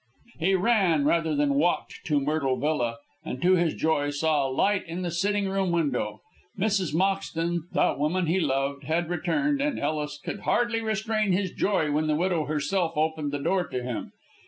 He ran rather than walked to Myrtle Villa, and, to his joy, saw a light in the sitting room window. Mrs. Moxton, the woman he loved, had returned, and Ellis could hardly restrain his joy when the widow herself opened the door to him.